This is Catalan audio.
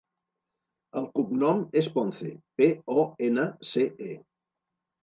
El cognom és Ponce: pe, o, ena, ce, e.